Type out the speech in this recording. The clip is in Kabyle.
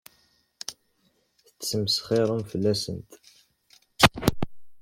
Tettmesxiṛem fell-asent.